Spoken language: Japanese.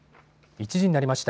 １時になりました。